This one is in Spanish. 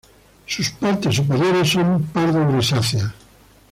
Sus partes superiores son pardo grisáceas.